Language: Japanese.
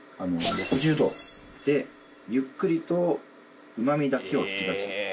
６０度でゆっくりとうまみだけを引き出す。